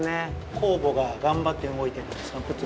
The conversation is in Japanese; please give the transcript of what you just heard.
◆酵母が頑張って動いてるんです。